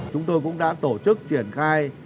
chúng tôi cũng đã tổ chức triển khai